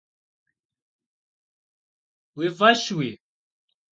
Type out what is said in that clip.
Vui f'eşui?